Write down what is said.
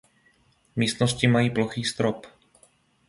Místnosti mají plochý strop.